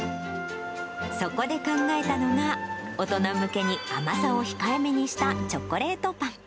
そこで考えたのが、大人向けに甘さを控えめにしたチョコレートパン。